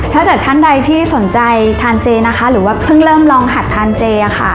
ถ้าเกิดท่านใดที่สนใจทานเจนะคะหรือว่าเพิ่งเริ่มลองหัดทานเจค่ะ